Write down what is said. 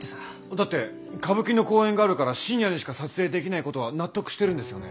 だって歌舞伎の公演があるから深夜にしか撮影できないことは納得してるんですよね？